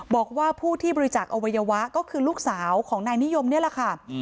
บอกว่าผู้ที่บริจาคอวัยวะก็คือลูกสาวของนายนิยมนี่แหละค่ะ